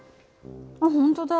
あっ本当だ。